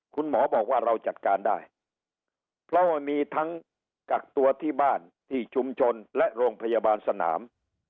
คุณหมอบอกว่าเราจัดการได้เพราะว่ามีทั้งกักตัวที่บ้านที่ชุมชนและโรงพยาบาลสนาม